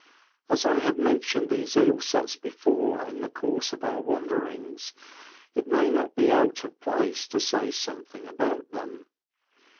As I have mentioned these eel sets before in the course of our wanderings, it may not be out of place to say something about them.